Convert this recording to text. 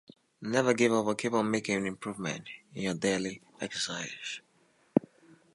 He was also awarded the Order of the Sacred Treasure by the Japanese government.